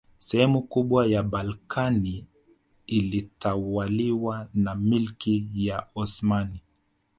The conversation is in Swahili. Sehemu kubwa ya Balkani ilitawaliwa na milki ya Osmani